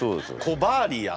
「子バーリア」。